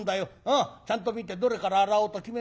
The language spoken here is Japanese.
ちゃんと見てどれから洗おうと決めなさい。